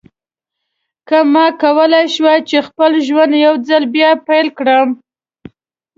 که ما کولای شوای چې خپل ژوند یو ځل بیا پیل کړم.